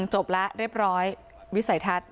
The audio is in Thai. จบแล้วเรียบร้อยวิสัยทัศน์